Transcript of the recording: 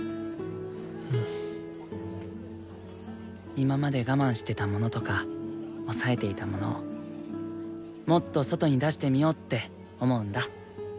今まで我慢してたものとか抑えていたものをもっと外に出してみようって思うんだ。